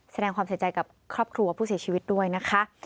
แสดงความเสียใจกับครอบครัวผู้เสียชีวิตด้วยนะคะ